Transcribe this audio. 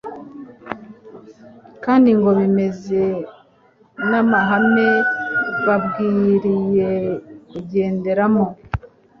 kandi ngo bemeze n'amahame bakwiriye kugenderamo.